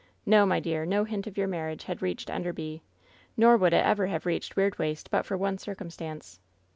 No, my dear, no hint of your marriage had reached Enderby, nor would it ever have reached Weirdwaste but for one circumstance.'